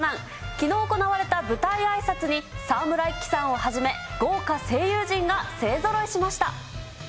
きのう行われた舞台あいさつに、沢村一樹さんをはじめ、豪華声優陣が勢ぞろいしました。